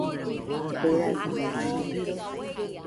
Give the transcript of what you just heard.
Berabe nite